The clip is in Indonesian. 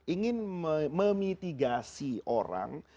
ingin memitigasi orang